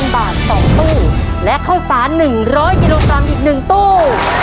๐บาท๒ตู้และข้าวสาร๑๐๐กิโลกรัมอีก๑ตู้